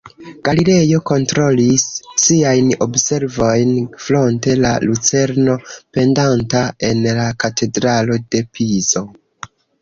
Galilejo kontrolis siajn observojn fronte la lucerno pendanta en la Katedralo de Pizo.